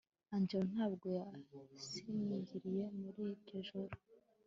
Angela ntabwo yasinziriye muri iryo joro